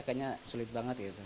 kayaknya sulit banget gitu